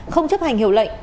không chấp hành hiệu lệnh